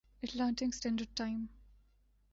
Atlantic standard time